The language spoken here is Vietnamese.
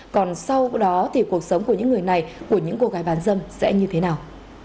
còn sau đó thì cuộc sống của những người này của những cô gái bán dâm sẽ như thế nào